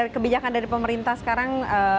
kebijakan dari pemerintah sekarang